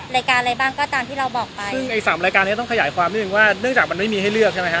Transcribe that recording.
รายการอะไรบ้างก็ตามที่เราบอกไปซึ่งไอ้สามรายการเนี้ยต้องขยายความนิดนึงว่าเนื่องจากมันไม่มีให้เลือกใช่ไหมฮะ